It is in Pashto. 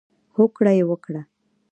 هوکړه یې وکړه.